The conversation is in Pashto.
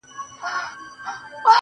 هغه ښايسته بنگړى په وينو ســـور دى~